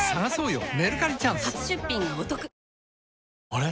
あれ？